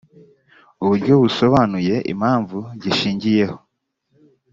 uburyo busobanuye impamvu gishingiyeho